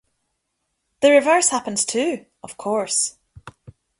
The reverse happens too, of course.